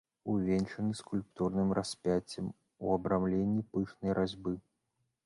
Увенчаны скульптурным распяццем у абрамленні пышнай разьбы.